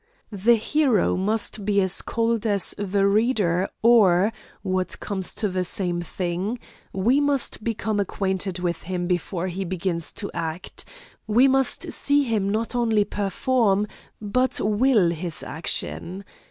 The hero then must be as cold as the reader or what comes to the same thing we must become acquainted with him before he begins to act; we must see him not only perform, but will his action.